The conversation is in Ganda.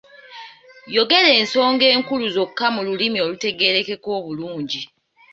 Yogera ensonga enkulu zokka mu lulimi olutegeerekeka obulungi.